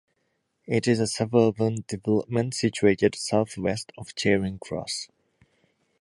It is a suburban development situated south west of Charing Cross.